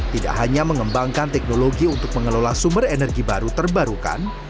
tidak hanya mengembangkan teknologi untuk mengelola sumber energi baru terbarukan